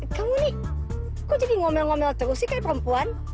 kamu nih kok jadi ngomel ngomel terus sih kayak perempuan